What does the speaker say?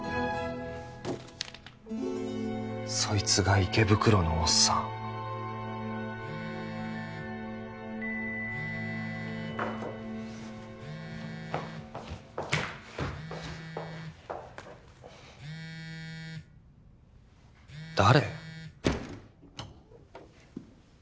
そいつが池袋のおっさん誰？